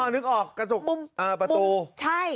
อ้อนึกออกกระจกประตู